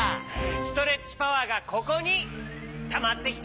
ストレッチパワーがここにたまってきただろ！